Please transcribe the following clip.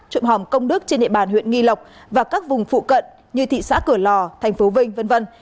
trộm hòm công đức trên địa bàn huyện nghi lộc và các vùng phụ cận như thị xã cửa lò tp vn